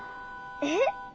えっ？